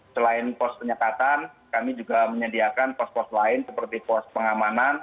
selain pos penyekatan kami juga menyediakan pos pos lain seperti pos pengamanan